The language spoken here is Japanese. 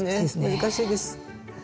難しいです。